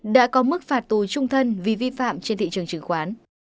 đã có mức phạt tù trung thân vì vi phạm trên thị trường chứng khoán